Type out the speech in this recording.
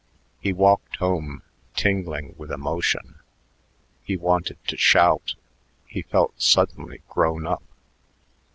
He walked home tingling with emotion. He wanted to shout; he felt suddenly grown up.